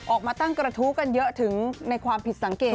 ออกมาตั้งกระทู้กันเยอะถึงในความผิดสังเกต